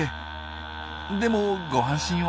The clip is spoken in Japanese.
でもご安心を。